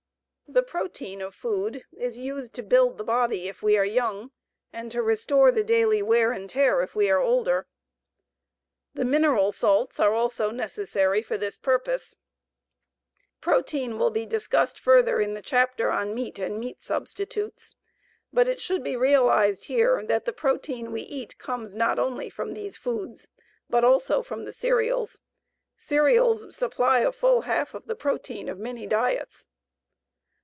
The protein of food is used to build the body if we are young, and to restore the daily wear and tear if we are older. The mineral salts are also necessary for this purpose. Protein will be discussed further in the chapter on meat and meat substitutes, but it should be realized here that the protein we eat comes not only from these foods, but also from the cereals. Cereals supply a full half of the protein of many diets.